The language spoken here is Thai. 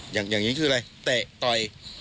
อย่างนี้คืออะไรเตะต่อย